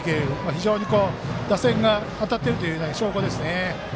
非常に打線が当たっているという証拠ですね。